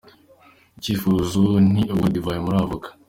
Icyifuzo ni ugukora divayi muri Avoka.